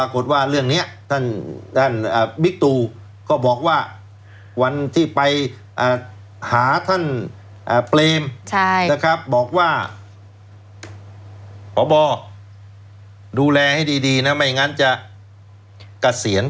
คือเห็นบอกว่าจะเปลี่ยนยกเซด